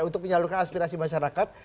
untuk menyalurkan aspirasi masyarakat